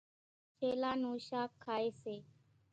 ڇيلا نون شاک کائيَ سي۔